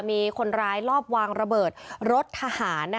มีคนร้ายลอบวางระเบิดรถทหาร